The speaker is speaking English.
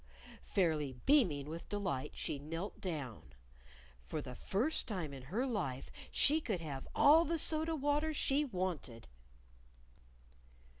"Oo!" Fairly beaming with delight, she knelt down. For the first time in her life she could have all the soda water she wanted!